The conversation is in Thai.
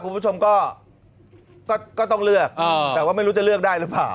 คุณผู้ชมก็ต้องเลือกแต่ว่าไม่รู้จะเลือกได้หรือเปล่า